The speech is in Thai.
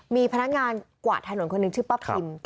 มีพนักงานกวาดถนนคนหนึ่งชื่อป้าพิม